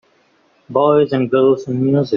Boys and girls and music.